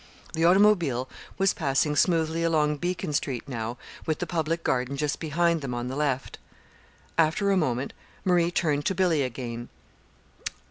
The automobile was passing smoothly along Beacon Street now with the Public Garden just behind them on the left. After a moment Marie turned to Billy again.